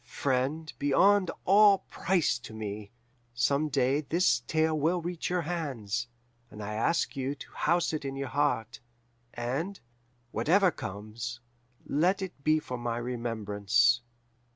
Friend beyond all price to me, some day this tale will reach your hands, and I ask you to house it in your heart, and, whatever comes, let it be for my remembrance.